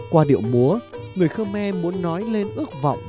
qua điệu múa người khơ me muốn nói lên ước vọng